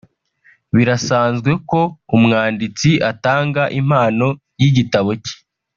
Birasanzwe ko umwanditsi atanga impano y’igitabo cye